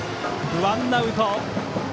ワンアウト。